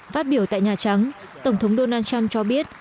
phát biểu tại nhà trắng tổng thống donald trump cho biết